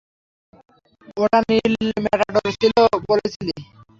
ওটা নীল ম্যাটাডোর ছিলো বলেছিলি?